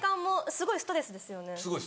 すごいストレスです